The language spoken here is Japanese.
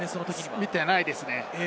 見てないですね。